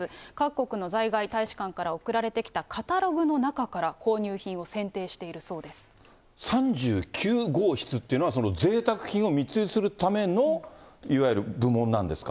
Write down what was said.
各国の在外大使館から送られてきたカタログの中から、購入品を選３９号室っていうのは、そのぜいたく品を密輸するための、いわゆる部門なんですか。